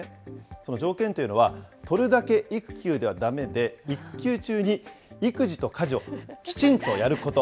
その条件というのは、取るだけ育休ではだめで、育休中に育児と家事をきちんとやること。